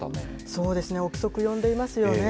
そうですね、臆測を呼んでいますよね。